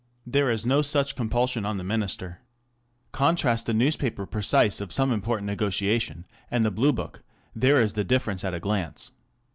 There is no such com pulsion on the Minister. Contrast the newspaper precis of some important negotiation and the Blue Book ŌĆö there is the difference at a glance.